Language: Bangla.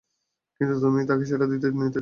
কিন্তু তুমি তাকে সেটা নিতে দাও নি।